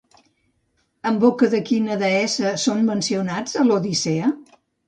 En boca de quina deessa són mencionats, a l'Odissea?